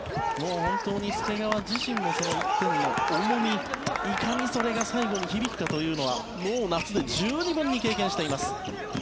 本当に介川自身もその１点の重みいかにそれが最後に響くかというのはもう夏で十二分に経験しています。